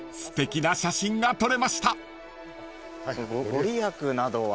御利益などは。